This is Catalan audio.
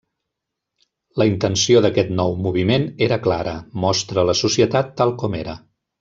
La intenció d’aquest nou moviment era clara: mostra la societat tal com era.